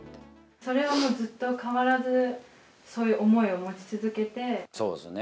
それはもうずっと変わらず、そうですね。